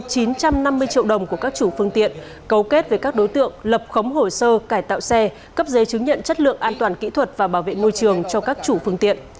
các trung tâm đăng kiểm đã nhận được một trăm năm mươi triệu đồng của các chủ phương tiện cấu kết với các đối tượng lập khống hồ sơ cải tạo xe cấp dế chứng nhận chất lượng an toàn kỹ thuật và bảo vệ ngôi trường cho các chủ phương tiện